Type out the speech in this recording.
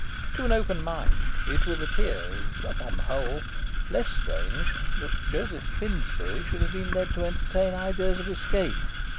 To an open mind, it will appear (upon the whole) less strange that Joseph Finsbury should have been led to entertain ideas of escape.